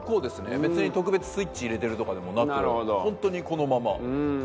別に特別スイッチ入れてるとかでもなく本当にこのまま。